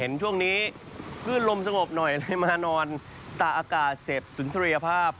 ตอนนี้ขึ้นลมสงบหน่อยเลยมานอนตะอากาศเสพสึงทะเลภาพ